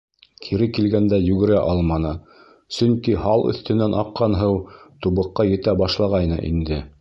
Кире килгәндә йүгерә алманы, сөнки һал өҫтөнән аҡҡан һыу тубыҡҡа етә башлағайны инде.